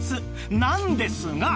なんですが